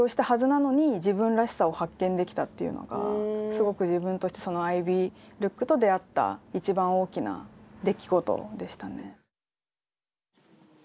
はずなのに自分らしさを発見できたっていうのがすごく自分としてアイビールックと出会った一番の大きな出来事でしたね。